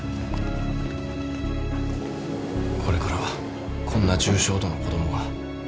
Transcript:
これからこんな重傷度の子供が。